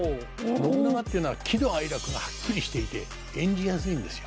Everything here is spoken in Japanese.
信長っていうのは喜怒哀楽がはっきりしていて演じやすいんですよ。